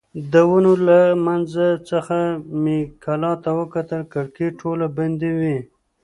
د ونو له منځ څخه مې کلا ته وکتل، کړکۍ ټولې بندې وې.